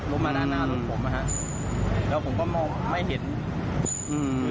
มาด้านหน้ารถผมอ่ะฮะแล้วผมก็มองไม่เห็นอืม